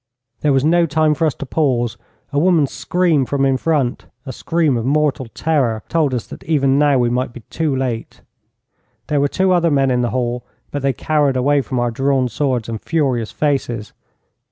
There was no time for us to pause. A woman's scream from in front a scream of mortal terror told us that even now we might be too late. There were two other men in the hall, but they cowered away from our drawn swords and furious faces.